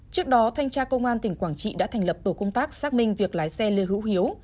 trước đó thanh tra công an tỉnh quảng trị đã thành lập tổ công tác xác minh việc lái xe lê hữu hiếu